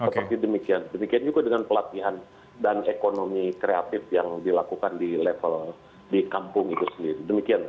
seperti demikian demikian juga dengan pelatihan dan ekonomi kreatif yang dilakukan di level di kampung itu sendiri